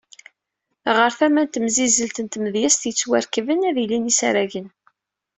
Ɣer tama n temsizzelt n tmedyazt yettwarekben, ad ilin yisaragen.